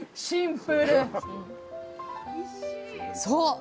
そう！